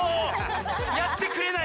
やってくれない。